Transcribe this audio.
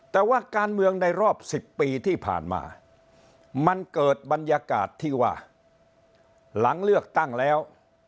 แต่ว่าการเมืองในรอบ๑๐ปีที่ผ่านมามันเกิดบรรยากาศที่ว่าหลังเลือกตั้งแล้ว